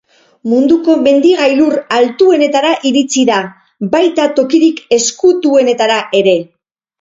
Munduko mendi-gailur altuenetara iritsi da, baita tokirik ezkutuenetara ere.